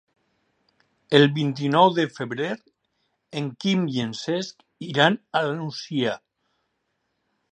El vint-i-nou de febrer en Quim i en Cesc iran a la Nucia.